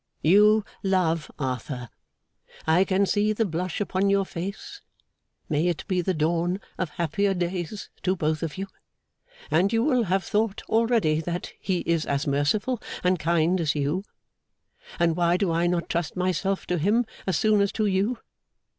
You love Arthur (I can see the blush upon your face; may it be the dawn of happier days to both of you!), and you will have thought already that he is as merciful and kind as you, and why do I not trust myself to him as soon as to you.